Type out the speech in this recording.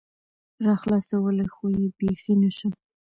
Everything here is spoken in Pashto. راخلاصولى خو يې بيخي نشم